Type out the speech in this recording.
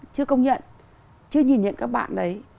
chưa công nhận chưa nhìn nhận các bạn đấy